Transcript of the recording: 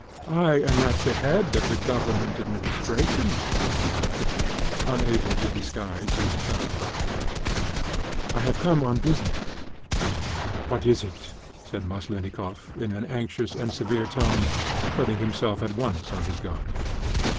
I am at the head of the Government administration," he said, unable to disguise his satisfaction. "I have come on business." "What is it?" said Maslennikoff, in an anxious and severe tone, putting himself at once on his guard.